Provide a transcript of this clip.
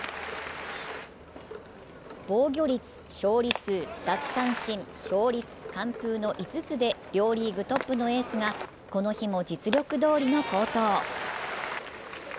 防御率・勝利数・奪三振・勝率・完封の５つで両リーグトップのエースがこの日も実力どおりの好投。